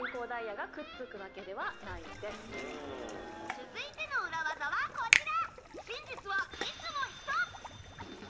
続いてのウラ技はこちら！